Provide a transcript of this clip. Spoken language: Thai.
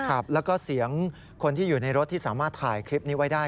ครับแล้วก็เสียงคนที่อยู่ในรถที่สามารถถ่ายคลิปนี้ไว้ได้